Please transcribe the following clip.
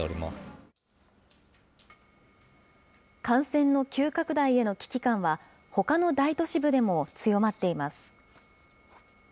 感染の急拡大への危機感は、ほかの大都市部でも強まっています。